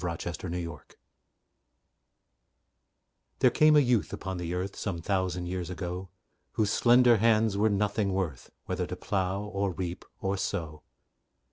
THE SHEPHERD OF KING ADMETUS There came a youth upon the earth, Some thousand years ago, Whose slender hands were nothing worth, Whether to plough, or reap, or sow.